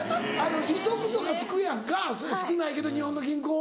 利息とかつくやんか少ないけど日本の銀行は。